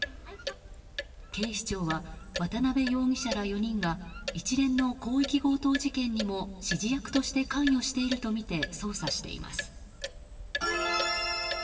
警視庁は、渡辺容疑者ら４人が一連の広域強盗事件にも指示役として関与しているとみて捜査しています。